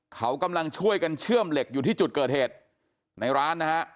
เขากำลังช่วยกันเชื่อมเหล็กอยู่ที่จุดเกิดเหตุในร้านนะฮะ